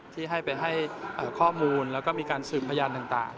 ที่ให้ไปให้ข้อมูลแล้วก็มีการสืบพยานต่าง